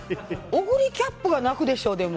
オグリキャップは泣くでしょ。